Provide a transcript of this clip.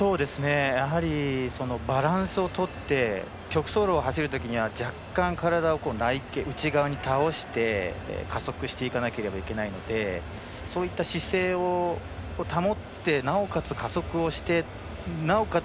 やはり、バランスをとって曲走路を走るときには若干、体を内側に倒して加速していかなければいけないのでそういった姿勢を保ってなおかつ加速をしてなおかつ